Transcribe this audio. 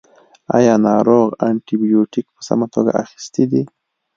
ایا ناروغ انټي بیوټیک په سمه توګه اخیستی دی.